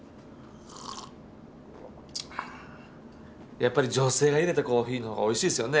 やっぱり女性がいれたコーヒーの方がおいしいですよね。